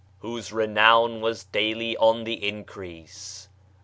'AKKA 87 whose renown was daily on the increase.